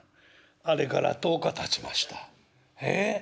あれから１０日たちました。